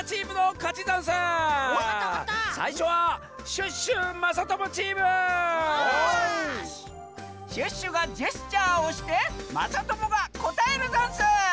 シュッシュがジェスチャーをしてまさともがこたえるざんす！